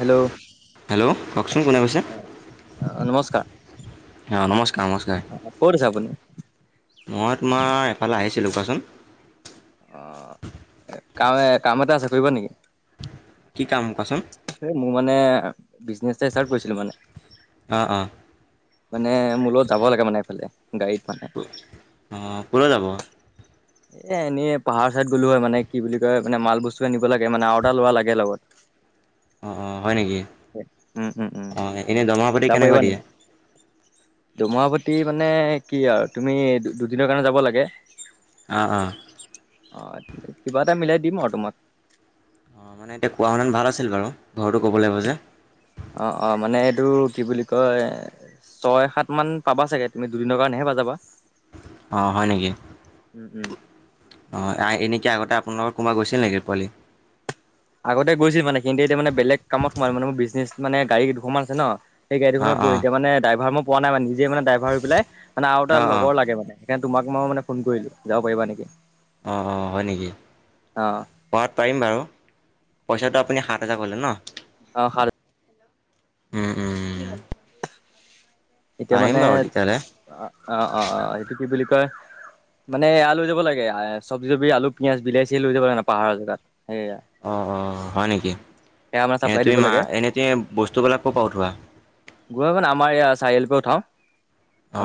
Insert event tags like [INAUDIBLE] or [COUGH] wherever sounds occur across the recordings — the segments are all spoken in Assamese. হেল্ল', হেল্ল' কওকচোন কোনে কৈছে অ', নমস্কাৰ। অ', নমস্কাৰ নমস্কাৰ। ক'ত আছে আপুনি মই তোমাৰ এফালে আহিছিলোঁ কোৱাচোন। অ', কাম এ, কাম এটা আছে কৰিবা নেকি? কি কাম কোৱাচোন? মোৰ মানে বিজনেছ এটা ষ্টাৰ্ট কৰিছিলো মানে অঁ অঁ মানে মোৰ লগত যাব লাগে মানে এইফালে গাড়ীত মানে অঁ কলৈ যাব? এ এনেই পাহাৰৰ চাইত গ'লো হয় মানে কি বুলি কয় মানে মাল বস্তু আনিব লাগে মানে আৰু এটা ল'ৰা লাগে লগত। [INAUDIBLE] অ', অ', হয় নেকি, উম উম উম অ, এনে দৰমহা পাতি যাব পাৰিবা কেনেকুৱা দিয়ে? নেকি দৰমহা পাতি মানে কি আৰু তুমি দুদিনৰ কাৰণে যাব লাগে। অ', অ', অ', কিবা এটা মিলাই দিম আৰু তোমাক। অ', মানে এতিয়া কোৱা হলে ভাল আছিল বাৰু, ঘৰটো ক'ব লাগিব যে। অ', অ', মানে এইটো কি বুলি কয়, ছয় সাত মান পাবা চাগে তুমি দুদিনৰ কাৰণেহে প যাবা। [UNINTELLIGIBLE] অ', হয় নেকি? উম। অ', এনেকে আগতে আপোনালোকৰ কোনোবা গৈছিল নেকি পোৱালি আগতে গৈছিল মানে কিন্তু এতিয়া মানে বেলেগ কামত সোমালো মানে মোৰ বিজনেছ মানে গাড়ী দুশমান আছে ন। সেই গাড়ী অঁ খনত অঁ বহিকে মানে ড্ৰাইভাৰ মই পোৱা নাই মানে নিজে মানে ড্ৰাইভাৰ হৈ পেলাই মানে আৰু এটা অঁ অঁ লগৰ লাগে মানে। তোমাক মই মানে ফোন কৰিলো যাব, পাৰিবা নেকি? অ', অ', হয় নেকি, অ পৰাত পাৰিম বাৰু। পইচাটো আপুনি সাত হাজাৰ কলে ন? অ', সাত উম উম। এতিয়া পাৰিম মানে বাৰু তেতিয়াহ'লে অ', অ', অ', এইটো কি বুলি [UNINTELLIGIBLE] মানে এয়া লৈ লব লাগে আ চব্জি তবজী আলু, পিয়াজ, বিলাহী লৈ যাব লাগে পাহাৰৰ জেগাত। সেয়া অ', অ', হয় নেকি? সেয়া মানে এ চাপ্লাই তুমি দিব মা লাগে এনে যে, বস্তুবিলাক কৰপৰা উঠোৱা? [UNINTELLIGIBLE] আমাৰ এয়া চাৰিআলিৰ পৰা উঠাও।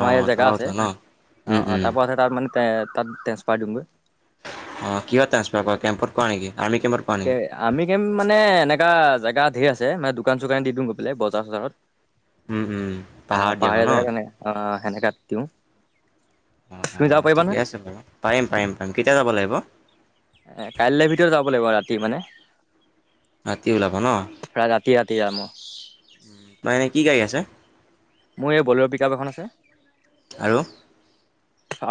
আমাৰ ইয়াত জেগা থকা আছে, কথা ন? অ', উম, অ', উম, তাৰ পৰা আছে তাত মানে তাত ট্ৰেঞ্চফাৰ দিম গৈ। অ', কিহঁত ট্ৰেঞ্চফাৰ কৰা, টেম্পত কৰা নেকি? আৰ্মি কেম্পত কৰা কে নেকি? আৰ্মী কেম্প মানে, এনেকা জেগা ধেই আছ যে [UNINTELLIGIBLE] দোকান চোকান দিওঁ গৈ পেলাই বজাৰ চজাৰত। উম, উম, অ', পাহাৰত দিয়া পাহাৰীয়া ন? জেগাত কেনে, আ সেমেকা দিওঁ অ', তুমি যাব অ', পাৰিবা ঠিকে নহয় আছে বাৰু, পাৰিম পাৰিম পাৰিম কেতিয়া যাব লাগিব? এ কাইলৈ ভিতৰত যাব লাগিব ৰাতি মানে। ৰাতি ওলাবা ন, প্ৰায় ৰাতি ৰাতি যাম মই তোমাৰ এনে কি গাড়ী আছে? মোৰ এই বলেৰ' পিকআপ এখন আছে। আৰু?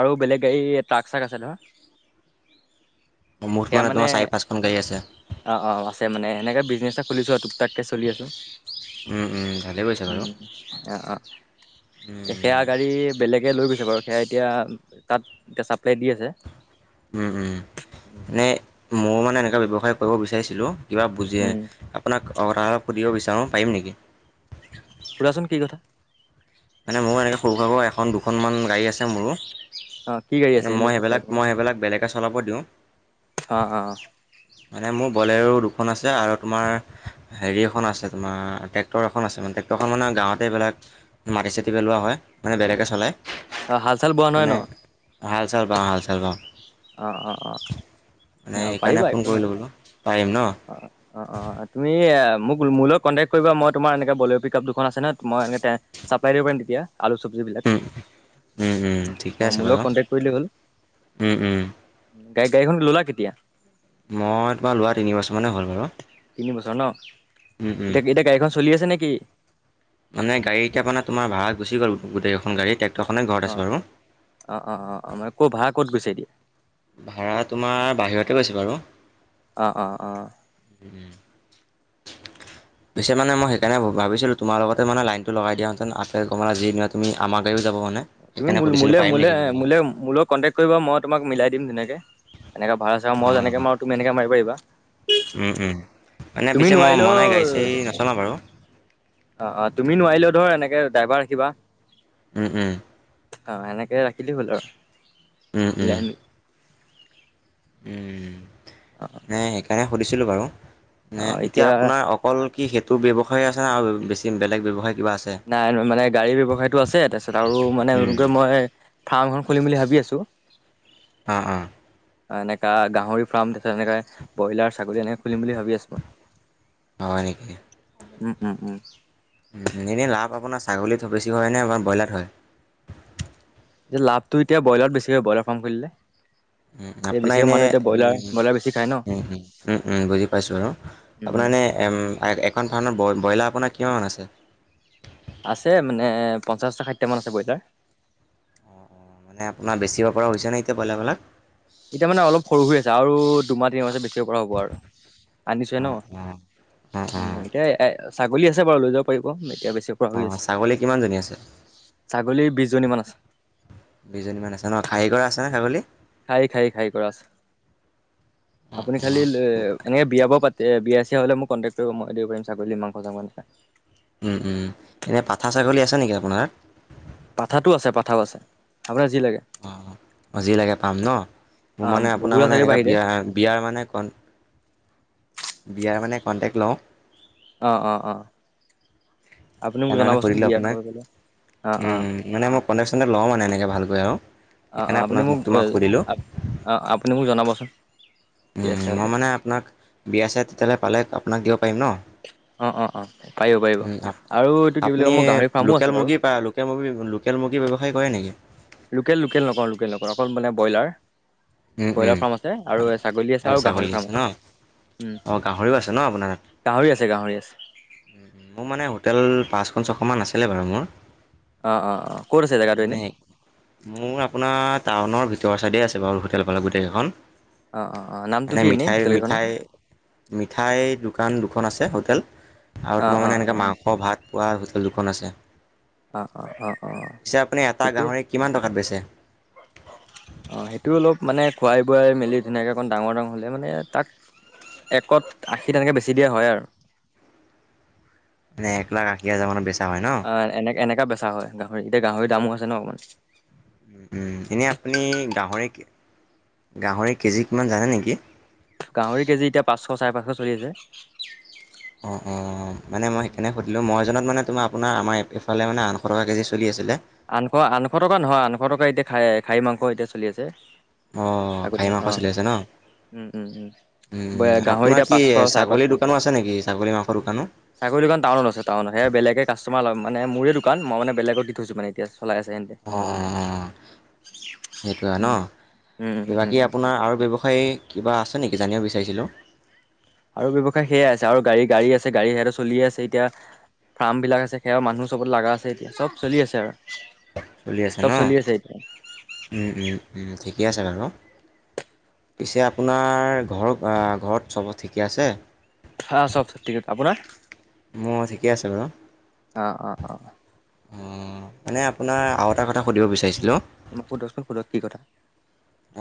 আৰু বেলেগ গাড়ী ট্ৰাক চাক আছে নহয়? মুঠ সেয়া মানে, তোমাৰ চাৰি পাঁচখন গাড়ী আছে। অ', অ', আছে মানে এনেকাে বিজনেছ চলিছো আৰু টোকটাক কে চলি আছোঁ। উম উম, ভালে কৰিছাঁ বাৰু। অ', অ', তেতিয়া উম, গাড়ী বেলেগে লৈ গৈ বাৰু সেয়া এতিয়া, তাত [UNINTELLIGIBLE] দি আছে। উম উম এনেই ময় মানে এনেকুৱা ব্যৱসায় কৰিব বিচাৰিছিলোঁ। কিবা বুজি উম আপোনাক কথা সুধিব বিচাৰোঁ পাৰিম নেকি। শুধাচোন কি কথা। মানে মোৰো এনেকৈ সৰু সোৰা কৈ এখন দুখনমান গাড়ী আছে মোৰো। অ' কি গাড়ী আছে এনে মই পিছে সেইবিলাক তোমাৰ মই সেইবিলাক বেলেকক চলাব দিওঁ। অ' অ' মানে মোৰ বলে'ৰো দুখন আছে আৰু তোমাৰ। হেৰি এখন আছে তোমাৰ ট্ৰেক্টৰ এখন আছে মানে ট্ৰেক্টৰখন মানে গাঁৱতে এইবিলাক। মাটি চাটি পেলোৱা হয় মানে বেলেগে চলায়। অ হাল চাল বোৱা নহয় ন। মানে হাল চাৰ বাও হাল চাৰ বাও। অ অ অ সেইকাৰণে পাৰিবা ফোন একো নাই। কৰিলোঁ বোলো পাৰিম ন অ অ অ তুমি। মোক মোলৈ কণ্টেক্ট কৰিব মই তোমাৰ এনেকে বলে'ৰ পিক আপ দুখন আছে নহয় মই এ চাপলাই দিব পাৰিম তেতিয়া। আলু চব্জিবিলাক উম উম উম অ ঠিকে আছে মোৰ লগত বাৰু কন্টেক্ট কৰিলেই হ'ল। উম উম গাড় গাড়ীখন ল'লা কেতিয়া। মই তোমাৰ লোৱা তিন বছৰ। তিনি বছৰ ন উম উম এতিয়া এতিয়া গাড়ীখন চলি আছে নেকি। মানে গাড়ীতিয়া পানে তোমাৰ ভাড়া গু গল গোটেইখন গড়ী। অ অ অ অ অ মানে ক' ভাড়া ক'ত গৈছে এতিয়া। ভাড়া তোমাৰ বাহিৰতে গৈছে বাৰু উ। অ', অ', অ', [UNINTELLIGIBLE] পিছে মানে মই সেইকাৰণে ভিছিলো তোমাৰ লগতে মান লাইটো লগ দিয়াহেতে আতে কমাল যি দিনা তুমি আমাক। তুমি মোৰলে মোৰ লে নিবলৈ মোলৈ কণ্টেক্ কৰিব মই তোমাক মিলাই দি। দিম ধুনকৈ এনেকৈ আছে আৰু মই যেনেকে অঁ মাৰো তুমি তেনেকৈ মাৰিব পাৰি বা উম উম। মানে তুমি পিছে মই মনাই গাড়ী চাড়ী নচলাওঁ বাৰু নোৱাৰিলেও অ অ তুমি নোৱাৰিলেও ধৰ এনেকে। তাকে ড্ৰাইভাৰ ৰাখিবা। উম উম। অ সেনেকে ৰাখিলি হ'ল আৰু। উম উম। মিলাই মিলি উম মে সেইকাৰণে সুধিছিলো বাৰু ম এতিয়া আপোনাৰ অকল। কি সেইটো ব্যৱসায় আছে ন আৰু বেছি বেলেগ ব্যৱসায়। কিবা আছে নাই মানে গাড়ী ব্যৱসায়তটো আছে তাৰপিছত আৰু উম মানেে মই ফাৰ্মখন খুলিম বুলি ভাবি আছো। উ [UNINTELLIGIBLE] অ অ। এনেকা গাহৰি ফাৰ্ম তাৰছত এনেকে ব্ৰইলাৰ ছাগলী এনেকে খুলিম বুলি ভাবি আছো মই। হয় নেকি। উম উম উম। এনেই লাভ আপোনাৰ ছাগলীত বেছি হয় নে আ ব্ৰইলাৰত হয়। এতি লাভটো এতিয়া ব্ৰইলাৰতেছৈ ব্ৰলাৰ ফাৰ্ম খুলেতিয়া বেছিকৈ মানুহ এতিয়া ব্ৰলাৰ ব্ৰইলাৰ বেছি খাই। উ উম উম বুজি পাইছো আৰু উম আপোনাৰ এনে এখন ফাম। ব্ৰইলাৰ আপোনাৰ কিমান আছে। আছে মানে পঞ্চাশটা ষাঠিটা মান আছে বইলাৰ। অঁ মানে আপোনাৰ বেচিব পৰা হৈছেনে এতিয়া ব্ৰইলাৰবিলাক। এতিয়া মানে অলপ সৰু হৈ আছে আৰু দুমাহ তিনিমাহছে বেছি। কৰা হ'ব আৰু আনিছোৱে ন অ', অ', অ', অ'। এতিয়া। ছাগলী আছে বাৰ ল যাব পাৰিব এতিয়া। হৈ অ', আছে ছাগলী কিমানজনী আছে? ছাগলীৰ বিশ জনী মান আছে। দুজনী মমান আছে ন খাৰহী কৰা আছে নে ছাগলী। খাই খাই খাই কৰা আছে। অ', আপুনি খালি অ'। এনেকে বিয়া বাৰু বিয়া [UNINTELLIGIBLE] হলে মোক কণ্টেক্ট কৰিব। মই দিব পাৰিম ছাগলী মাংস [UNINTELLIGIBLE] এনে পাঠা ছাগলী আছে নেকি আপোনাৰ? পাঠাটো আছে, পাঠাও আছে। আপোনাক যি লাগে। আজিলৈকে পাম ন? মোৰ অ' মানে আপোনাৰ ভুবুলা মানে চাগে এনেকে বাহিৰে বিয়া বিয়াৰ মানে কন বিয়াৰ মানে কন্টেক্ট লওঁ। অ-অ-অ। আপুনি মোক সেইকাৰণে মানে জনাবচোন সুধিলোঁ বিয়া আপোনাক। [UNINTELLIGIBLE] অ' মানে মই কণ্টেক চণ্টেক লওঁ মানে এনেকে ভালকে আও। অ-অ। আপুনি মোক অ আপুনি মোক জনাবচোন। বিয়া চিয়া মই হ'লে মানে আপোনাক বিয়াছে তেতিয়াহ'লে পালে আপোনাক দিব পাৰিম ন। অ' অ' অ' পাৰিব পাৰিব। ও আৰু এইটো কি বুলি আপনি কয় মোৰ গাহৰি ফাৰ্মো আছে লোকেল বাৰু মুৰ্গী পায়, লোকেল মুৰ্গী লোকেল মুৰ্গী ব্যৱসায় কৰে নেকি? লোকেল লোকেল নকৰোঁ, লোকেল নকৰোঁ। অকল মানে ব্ৰইলাৰ উম, ব্ৰইলাৰ উম, ফাৰ্ম আছে আৰু ছাগলী আছে আৰু ছাগলী গাহৰি আছে ফাৰ্ম ন? আছে। উম অ', গাহৰিও আছে ন গাহৰি আছে, গাহৰি আছে। উম-উম, মোৰ মানে হোটেল পাঁচখন, ছখন মান আছিলে বাৰু মোৰ। অ' অ' অ' ক'ত আছে জেগাটো এনে? মানে মোৰ আপোনাত টাউনৰ ভিতৰৰ চাইডে আছে বাৰু হোটেল পালে গোটেইকেইখন। অ-অ-অ। মানে মিঠাই, মিঠাই মিঠাইৰ দোকান দুখন আছে হোটেল। আৰু অ তোমাৰ অ অ মানে এনেকে মাংস ভাত পোৱা ল দুখন আছে। অ অ অ অ পিছে আপুনি এটা ঠিকেই গাহৰি আছে। কিমান টকাত বেছে? অ সেইটো অলপ মানে খুৱাই বোৱাই মেলি ধুনীয়াকে অকণ ডাঙৰ ডাঙৰ হলে মানে তাক একত আশী তেনেকে বেছি দিয়া হয় আৰু। মানে এক লাখ আশী হাজাৰ মানত বেছে? অ এনে এনেকা বেচা হয় গাহৰি। এতিয়া গাহৰি দামো হৈছে ন অকন। উম, উম। এনেই আপুনি গাহৰি, গাহৰি কেজি কিমান জানে নেকি? গাহৰি কেজি এতিয়া পাঁচশ চাৰে পাঁচশ চলি আছে। অ-অ মানে মই উম সেইকাৰণে সুধিলো। মই জনাত মানে তোমা আপোনাৰ আমাৰফালে মানে আঠশ টকা কেজি চলি আছিলে। আঠশ, আঠশ টকা নহয়। আঠশ টকা এতিয়া খাহী মাংস এতিয়া চলি আছে। অ খাহী মাংস চলি আছে ন? উম-উম-উম। উম, আপোনাৰ কি ছাগলীৰ এনেকা দোকানো আছে নেকি? ছাগলী মাংসৰ দোকানো? ছাগলী দোকান টাউনত আছে, টাউনত। সেয়া বেলেগে কাষ্টমাৰ লয়। মানে মোৰে দোকান মইমানে বেলেগক দি থৈচো মানে এতিয়া। চলাই আছে সেহেঁতে অ, অ, অ। সেইটোৱে উম ন? উম উম উম বাকী উম আপোনাৰ আৰু ব্যৱসায় কিবা আছে নেকি? জানিব বিচাৰি চাৰিছিলোঁ। আৰু ব্যৱসায় সেয়াই আছে আৰু গাড়ী গাড়ী আছে গাড়ী সেইয়াতে চলিয়ে আছে এতিয়া। ফাৰ্ম বিলাক আছে। সেয়াৰ মানুহ চবত লগা আছে এতিয়া। চব চলি আছে আৰু। চলি আছে চব ন? চলি আছে এতিয়া উম-উম-উম ঠিকেই উম আছে বাৰু। পিছে আপোনাৰ ঘৰ ঘৰত চব ঠিকে আছে? হা, চব [UNINTELLIGIBLE] আপোনাৰ? মই ঠিকেই আছে বাৰু। অ অ অ উম মানে আপোনাৰ আৰু এটা কথা সুধিব বিচাৰিছিলো। মোক সোধকচোন সোধক কি কথা।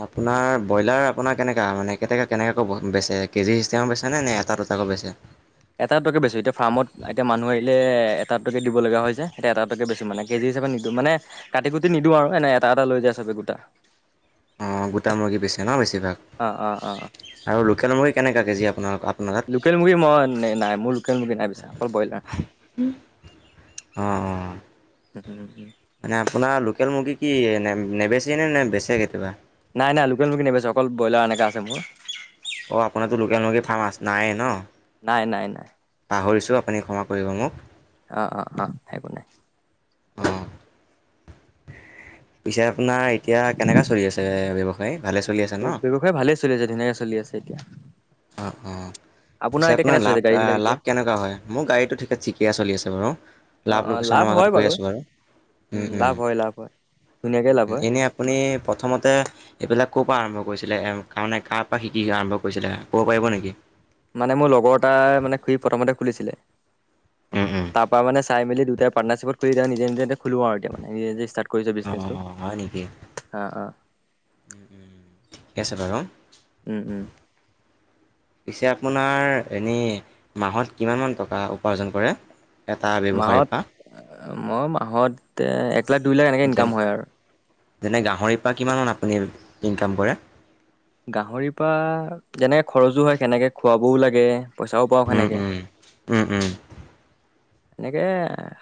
আপোনাৰ ব্ৰইলাৰ আপোনাৰ কেনেকা মানে কেনেকা কেনেকা কৈ বেচে? কেজি হিচাপে বেচেনে নে এ চাকৈ বেছে? এটা টকে বেছো। এতিয়া ফাৰ্মত এতিয়া মানুহ আহিলে এটা টকে দিব লগা হৈ যে। এতিয়া এটা টকে বেছো, মানে কেজি হিচাপে নিদিও। মানে কাটি কুটি নিদিও আৰু এনেই এটা এটা লৈ যায় চবে গোটা। অ, গোটা মুৰ্গী বেছে ন বেছিভাগ? অ অ অ আৰু লোকেল মুৰ্গী কেনেকা কেজি আপোনাৰ তাত লোকেল মুৰ্গী মই নাই মোৰ লোকেল মুৰ্গী নাই বেচা। অকল ব্ৰইলাৰ। অঁ-অঁ উম-উম-উম মানে আপোনাৰ লোকেল মুৰ্গী কি নেবেচেই নে? নে বেচে কেতিয়াবা? নাই, নাই লোকেল মুৰ্গী নেবেচো। অকল ব্ৰইলাৰ এনেকা আছে মোৰ। অ আপোনাৰটো লোকেল মুৰ্গী ফাৰ্ম নাইয়ে ন? নাই, নাই, নাই। পাহৰিছোঁ, আপুনি ক্ষমা কৰিব মোক। অঁ-অঁ-অ, একো নাই। অঁ পিছে আপোনাৰ এতিয়া কেনেকা চলি আছে ব্যৱসায়? ভালে চলি আছে ন ব্যৱসায় ভালে চলি আছে, ধুনীয়াকে চলি আছে এতিয়া। অ, অ। পিছে এতিয়া আপোনাৰ কেনে চলি লাভ আছে গাড়ী বিলাক লাভ এতিয়া? কেনেকুৱা হয়? মোৰ গাড়ীটো ঠিক ঠিক চলি আছে বাৰু। লাভ অ', অ', লোকচান আমাৰ গত হয় গৈ আছো বাৰু। উম, উ-উ, লাভ হয় লাভ হয়। ধুনীয়াকে লাভ হয় এনে আপুনি প্ৰথমতে এইবিলাক ক'ৰ পৰা আৰম্ভ কৰিছিলে? কাৰণে কাৰ পৰা শিকি আৰম্ভ কৰিছিলে ক'ব পাৰিব নেকি? মানে মোৰ লগৰ এটাই মানে খুৰী প্ৰথমতে খুলিছিলে। উম উম তাৰ পৰা মানে চাই মেলি দুটাৰ পাৰ্টনাৰশ্বিপত কৰি নিজে নিজে খুলো আৰু এতিয়া। নিজে নিজে ষ্টাৰ্ট কৰিছে অঁ বিজনেছটো। অঁ হয় নেকি? অ-অ। উম উম ঠিকে আছে বাৰু উম, উম। পিছে আপোনাৰ এনেই মাহত কিমান মান টকা উপাৰ্জন কৰে? এটা ব্যৱসায়ীৰ মাহত পৰা মই মাহত এক লাখ, দুই লাখ এনেকে যেন ইনকাম হয় আৰু। যেনে গাহৰিৰপৰা কিমান মান আপুনি ইনকাম কৰে? গাহৰি পৰা যেনেকে খৰচো হয়, সেনেকে খুৱাবও লাগে। পইচাও পাও উম সেনেকে। উম উম উম এনেকে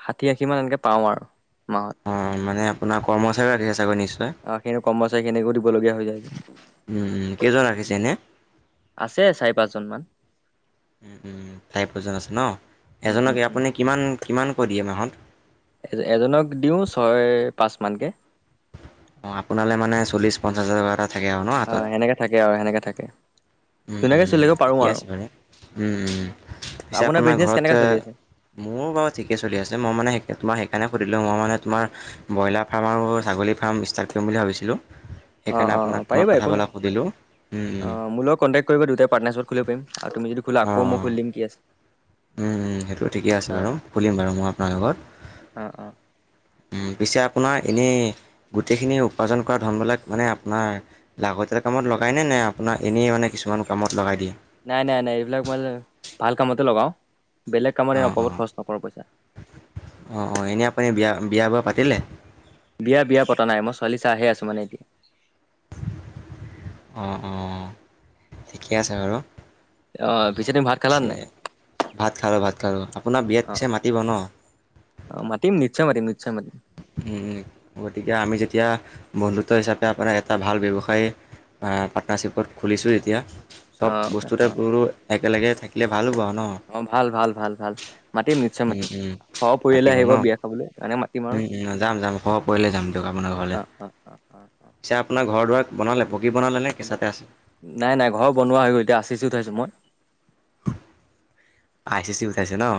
ষাঠি, আশী মান এনেকে পাওঁ আৰু। মাহত অ মানে আপোনাৰ কৰ্মচাৰী ৰাখিছে চাগৈ নিশ্চ অ খিনি কৰ্মচাৰী খিনিকো দিবলগীয়া হৈ যায় যে। উম, কেইজন ৰাখিছে এনে? আছে চাৰি, পাঁচজন মান। উ, উ ফাইভ পাৰ্চন আছে ন? উম উম এজনক উম আপুনি কিমান কিমানকৈ দিয়ে মাহত? এজনক দিওঁ ছয় পাঁচমানকে। অ আপোনালে মানে চলিছ, পঞ্চাছ হাজাৰ টকা এটা থাকে আৰু ন' অ হাতত? সেনেকাে থাকে আৰু সেনেকে থাকে। উম, ধুনীয়াকে উম, চলিব ঠিকে আছে মানে। উম, উম। পিছে আপোনাৰ বিজনেছ ঘৰত, কেনেকে চলি আছে মোৰো বাৰু ঠিকে চলি আছে মই মানে তোমাৰ সেইকাৰণে সুধিলোঁ। মই মানে তোমাৰ ব্ৰইলাৰ ফাৰ্ম আৰু ছাগলী ফাৰ্ম ষ্টাৰ্ট কৰিম বুলি ভাবিছিলোঁ। অ সেইকাৰণে অ অ আপোনাক মই পাৰিবা একো নাই কথাবিলাক সুধিলো। উম, অ উম। মোৰ লগত কণ্টেক্ট কৰিব দুয়োটাই পাৰ্টনাৰছিপত খুলিব পাৰিম আৰু তুমি যদি খোলা আকৌ মই খুলি দিম, কি আছে। ও, ও সেইটো ঠিকে আছে অ বাৰু খুলিম উম বাৰু উম মই আপোনাৰ লগত। অ অ উ, পিছে আপোনাৰ এনেই গোটেইখিনি উপাৰ্জন কৰা ধনবিলাক মানে আপোনাৰ লাগতিয়াল কামত লগাই নে আপোনাৰ এনেই মানে কিছুমান কামত লগাই দিয়ে? নাই, নাই, নাই। এইবিলাক মানে ভাল কামতে লগাও। বেলেগ কামত অঁ অপাবত অঁ খৰচ নকৰো পইচা। অঁ অঁ এনেই আপুনি বিয়া বিয়া বাৰু পাতিলে? বিয়া-বিয়া পতা নাই। মই ছোৱালী চাইহে আছো মানে এতি উ, উ। ঠিকে আছে বাৰু। অ। পিছে তুমি ভাত খালা নে পিছে, নাই ভাত খালোঁ, ভাত খালো। আপোনাৰ বিয়াত অ পিছে মাতিব ন? অ মাতিম নিশ্চয় মাতিম নিশ্চয় মাতিম। গতিকে আমি যেতিয়া বন্ধুত্ব হিচাপে আপোনাৰ এটা ভাল ব্যৱসায় পাৰ্টনাৰশ্বিপত খুলিছোঁ যেতিয়া চব অ অ বস্তুতে কোনো একেলগে থাকিলে ভাল পাওঁ। অ ভাল ভাল ভাল ভাল মাতিম নিশ্চয় উম মাতিম উম সহ পৰিয়ালে আহিব বিয়া খাবলৈ মানে মাতিম। আৰু উ যাম যাম সৰহ পৰিলে যাম দিয়ক আপোনাৰ ঘৰলৈ অ অ অ অ পিছে আপোনাৰ ঘৰ দুৱাৰ বনালে পকী বনালে নে কেঁচাতে আছে? নাই নাই ঘৰ বনোৱা হৈ গল এতিয়া আচিচি উঠাইছো মই আই চি চি উঠাইছে নহ।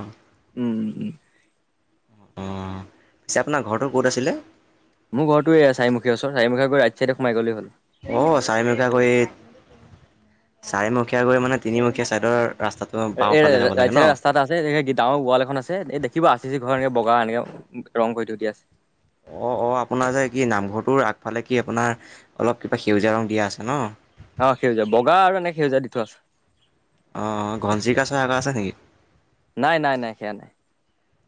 উম উম উম। পিছে আপোনাৰ ঘৰটোৰ ক'ত আছিলে মোৰ ঘৰটো এয়া চাৰীমুখীয়া ওচৰত চাৰীমুখীয়া গই ৰাইট চাইডে সোমাই গলে হ'ল অ চাৰিমুখীয়া কৰি চাৰিমুখীয়া কৰি মানে তিনিমুখীয়া চাইডৰ ৰাস্তাটো এ বাওঁফালে যাব লাগে ৰাইট ন? চাইডে ৰাস্তা এটা আছে এহ গাঁওৰ গোৱাল এখন আছে এ দেখিব আচি‌ চি ঘৰ এনেকে বগা এনেকে ৰং কৰি থই দিয়া আছে। অ', অ আপোনাৰ যে কি নামঘৰটোৰ আগফালে কি আপোনাৰ অলপ কিবা সেউজীয়া ৰং দিয়া আছে নহ অ সেউজীয়া বগা আৰু সেউজীয়া দি থোৱা আছে। অ ঘনচিৰিকা চৰাই আৰু আছে নেকি? নাই নাই নাই সেয়া নাই।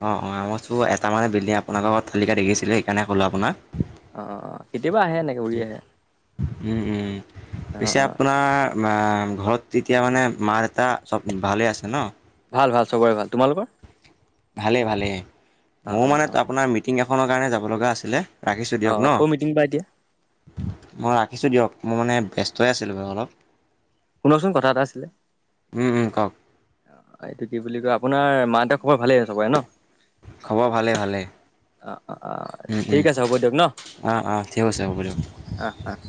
অ অ মইটো এটা মানে বিল্ডিং আপোনাৰৰ তালিকা দেখিছিলো সেইকাৰণে ক'লো আপোনাক অ অ কেতিয়াবা আহে এনেকে উৰি আহে। উম উম অ পিছে অ আপোনাৰ ঘৰত এতিয়া মানে মা‌ দেউতা চব ভালে আছে নহ ভাল ভাল চবৰে ভাল তোমালোকৰ ভালেই ভালেই অ মইও অ মানে অ আপোনাৰ মিটিং এখনৰ কাৰণে যাব লগা আছিলে ৰাখিছোঁ দিয়ক অ নহ, কৰ মিটিং বা এতিয়া মই ৰাখিছোঁ দিয়ক। মোৰ মানে ব্যস্তই আছিলোঁ বাৰু অলপ শুনকচোন কথা এটা আছিলে উম, উম, কওক। এইটো কি বুলি কয় আপোনাৰ মা দেতাৰ খবৰ ভালেই চবৰে ন- খবৰ ভালে ভালে অ অ অ ঠিক আছে হ'ব দিয়ক ন অ', অ', ঠিক আছে হ'ব দিয়ক। অ অ [INAUDIBLE]